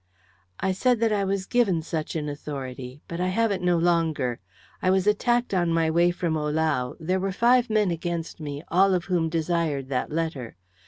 "I said that I was given such an authority. But I have it no longer. I was attacked on my way from Ohlau. There were five men against me, all of whom desired that letter.